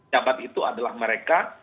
jabat itu adalah mereka